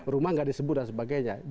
rumah nggak disebut dan sebagainya